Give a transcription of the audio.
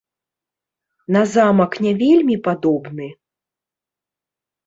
На замак не вельмі падобны?